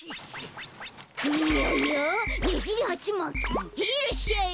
ヘイいらっしゃい！